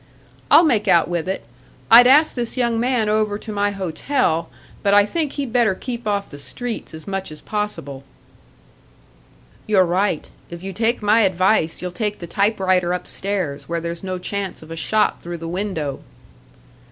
"I'll make out with it. I'd ask this young man over to my hotel, but I think he'd better keep off the streets as much as possible." "You're right. If you take my advice, you'll take the typewriter upstairs, where there's no chance of a shot through the window."